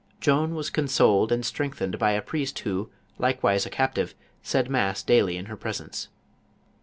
Joan was consoled and strengthened by a priest who, likewise a captive, said mass daily in her presence.